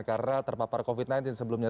karena terpapar covid sembilan belas sebelumnya